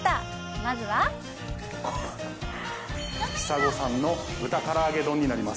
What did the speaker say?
まずはひさごさんの豚からあげ丼になります。